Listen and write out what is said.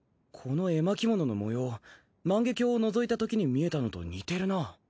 この絵巻物の模様万華鏡をのぞいたときに見えたのと似てるなぁ。